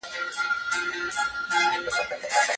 پنځه جمع درې؛ اته کېږي.